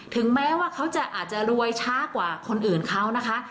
ถึงแม้ว่าเขาจะอาจจะรวยช้ากว่าคนอื่นเขานะคะ